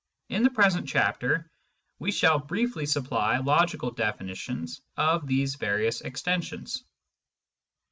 In the present chapter we shall briefly supply logical definitions of these various extensions.